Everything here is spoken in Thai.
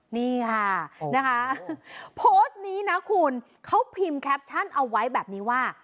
นี่ค่ะนะคะโพสต์นี้นะคุณเขาพิมพ์แคปชั่นเอาไว้แบบนี้ว่า